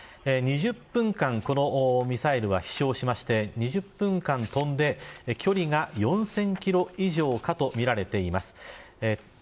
２０分間このミサイルは飛翔しまして２０分間飛んで距離が４０００キロ以上かとみられています。